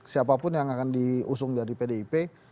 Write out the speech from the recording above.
siapapun yang akan diusung dari pdip